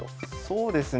そうですね